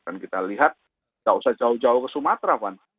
dan kita lihat tidak usah jauh jauh ke sumatera pak